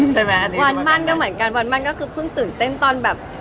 ใช่ไหมวันมั่นก็เหมือนกันวันมั่นก็คือเพิ่งตื่นเต้นตอนแบบ